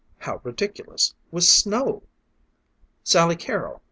How ridiculous with snow! "Sally Carrol!